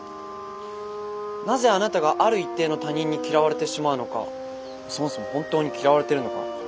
なぜあなたがある一定の他人に嫌われてしまうのかそもそも本当に嫌われているのか